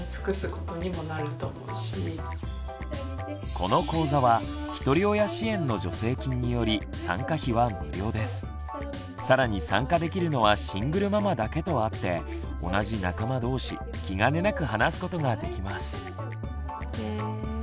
この講座は更に参加できるのはシングルママだけとあって同じ仲間同士気兼ねなく話すことができます。